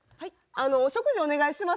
お食事お願いします